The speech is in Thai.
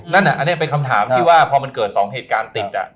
นั่นอันนี้เป็นคำถามที่ว่าพอมันเกิด๒เหตุการณ์ติด